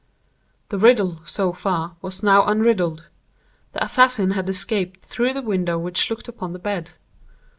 "The riddle, so far, was now unriddled. The assassin had escaped through the window which looked upon the bed.